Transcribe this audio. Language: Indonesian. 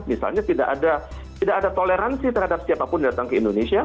misalnya tidak ada toleransi terhadap siapapun datang ke indonesia